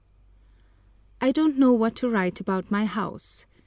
I DON'T know what to write about my house.